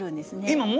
今も？